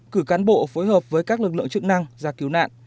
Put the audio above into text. cử cán bộ phối hợp với các lực lượng chức năng ra cứu nạn